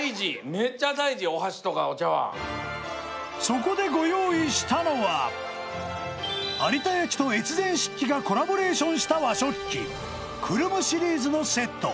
そこでご用意したのは有田焼と越前漆器がコラボレーションした和食器くるむシリーズのセット